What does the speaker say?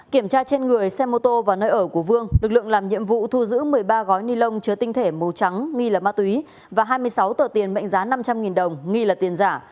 kiểm tra trên người xe mô tô và nơi ở của vương lực lượng làm nhiệm vụ thu giữ một mươi ba gói ni lông chứa tinh thể màu trắng nghi là ma túy và hai mươi sáu tờ tiền mệnh giá năm trăm linh đồng nghi là tiền giả